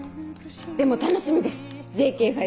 でも楽しみです